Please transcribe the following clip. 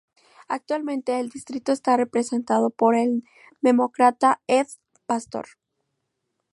Actualmente el distrito está representado por el Demócrata Ed Pastor.